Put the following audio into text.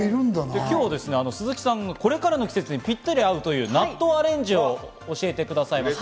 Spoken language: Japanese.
今日、鈴木さんがこれからの季節にぴったり合う納豆をアレンジを教えてくださいます。